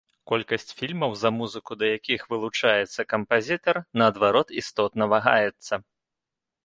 Колькасць фільмаў, за музыку да якіх вылучаецца кампазітар, наадварот істотна вагаецца.